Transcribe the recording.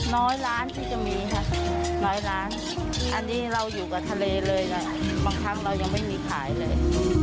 ร้อยล้านที่จะมีค่ะร้อยล้านอันนี้เราอยู่กับทะเลเลยค่ะบางครั้งเรายังไม่มีขายเลย